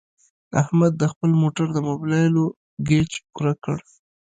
احمد د خپل موټر د مبلایلو ګېچ پوره کړ.